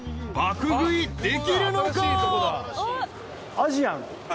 アジアン。